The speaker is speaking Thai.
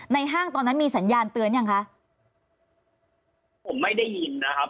ห้างตอนนั้นมีสัญญาณเตือนยังคะผมไม่ได้ยินนะครับ